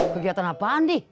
kegiatan apaan d